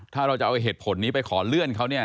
ถ้าเราจะเอาเหตุผลนี้ไปขอเลื่อนเขาเนี่ย